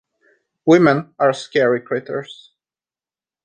Women are scary critters.